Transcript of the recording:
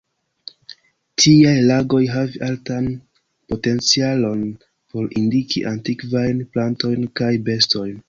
Tiaj lagoj havi altan potencialon por indiki antikvajn plantojn kaj bestojn.